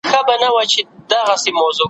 چي د بل په زور اسمان ته پورته کیږي `